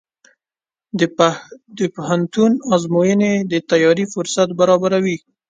د پوهنتون ازموینې د تیاری فرصت برابروي.